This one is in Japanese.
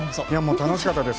楽しかったです。